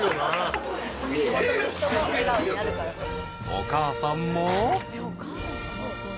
［お母さんも］